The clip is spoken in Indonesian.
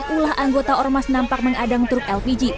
ulah anggota ormas nampak mengadang truk lpg